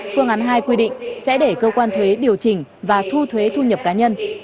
phương án hai quy định sẽ để cơ quan thuế điều chỉnh và thu thuế thu nhập cá nhân